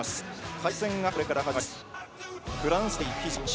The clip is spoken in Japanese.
開幕戦がこれから始まります。